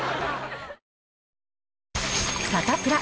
サタプラ。